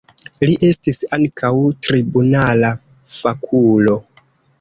Li estis ankaŭ tribunala fakulo.